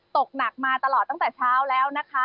ตกหนักมาตลอดตั้งแต่เช้าแล้วนะคะ